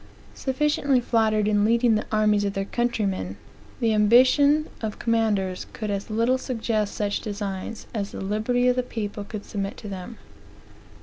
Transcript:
Sufficiently flattered in leading the armies of their countrymen, the ambition of commanders could as little suggest such designs, as the liberty of the people could submit to them.